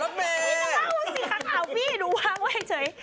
ไม่ล้าวสิข่าวพี่หนูวางไว่เฉย